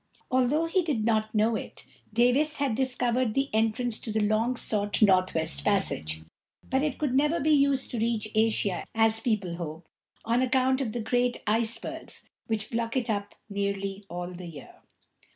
Although he did not know it, Davis had discovered the entrance to the long sought northwest passage; but it could never be used to reach Asia, as people hoped, on account of the great icebergs which block it up nearly all the year.